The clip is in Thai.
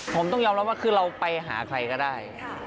ผมต้องยอมรับว่าคือเราไปหาใครก็ได้